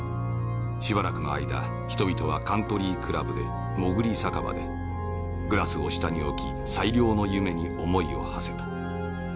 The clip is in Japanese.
しばらくの間人々はカントリー・クラブでもぐり酒場でグラスを下に置き最良の夢に思いをはせた。